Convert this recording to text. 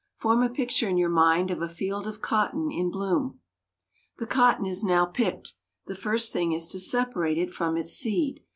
Form a picture in your mind of a field of cotton in bloom. The cotton is now picked. The first thing is to separate it from its seed.